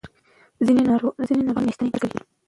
ځینې ناروغان میاشتې انتظار کوي.